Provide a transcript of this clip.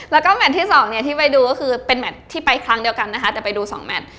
แล้วก็แมทที่สองเนี่ยที่ไปดูก็คือเป็นแมทที่ไปครั้งเดียวกันนะคะแต่ไปดูสองแมท